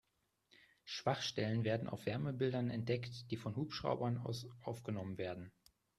Schwachstellen werden auf Wärmebildern entdeckt, die von Hubschraubern aus aufgenommen werden.